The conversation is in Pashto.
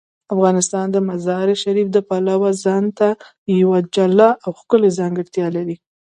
افغانستان د مزارشریف د پلوه ځانته یوه جلا او ښکلې ځانګړتیا لري.